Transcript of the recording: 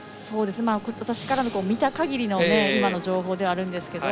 私から見た限りの情報ではあるんですけども。